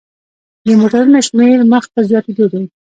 د موټرونو شمیر مخ په زیاتیدو دی.